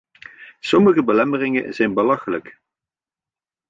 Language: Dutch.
Sommige belemmeringen zijn belachelijk.